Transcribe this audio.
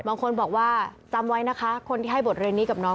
บางคนบอกว่าจำไว้นะคะคนที่ให้บทเรียนนี้กับน้อง